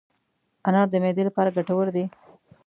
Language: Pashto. انار د معدې لپاره ګټور دی.